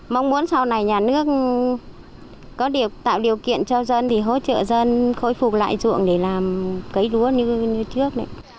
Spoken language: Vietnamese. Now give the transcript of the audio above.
mong muốn sau này nhà nước có được tạo điều kiện cho dân thì hỗ trợ dân khôi phục lại ruộng để làm cấy lúa như trước